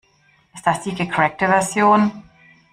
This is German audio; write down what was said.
Ist das die gecrackte Version?